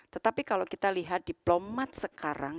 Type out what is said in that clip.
tetapi kalau kita lihat diplomat sekarang